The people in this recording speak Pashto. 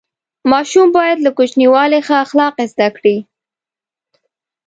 ماشوم باید له کوچنیوالي ښه اخلاق زده کړي.